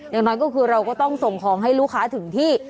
อย่างนั้นเราก็ต้องส่งของให้ลูกค้าถึงที่